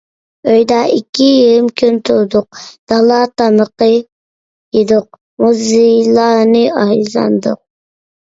ئۆيىدە ئىككى يېرىم كۈن تۇردۇق، دالا تامىقى يېدۇق، مۇزېيلارنى ئايلاندۇق.